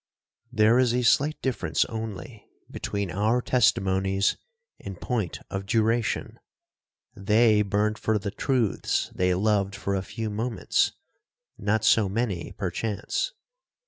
There is a slight difference only between our testimonies in point of duration. They burned for the truths they loved for a few moments—not so many perchance.